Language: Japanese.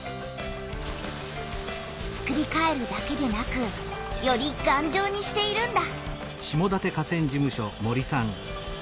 つくりかえるだけでなくよりがんじょうにしているんだ。